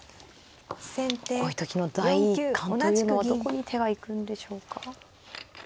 こういう時の第一感というのはどこに手が行くんでしょうか。